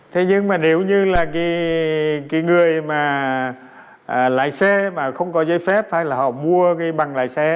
thế nhưng mà nếu như là cái người mà lái xe mà không có giấy phép hay là họ mua cái bằng lái xe